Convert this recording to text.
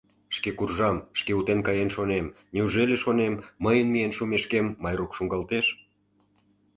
Шке куржам, шке утен каен шонем: неужели, шонем, мыйын миен шумешкем Майрук шуҥгалтеш?..